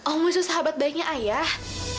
om wisnu sahabat baiknya ayah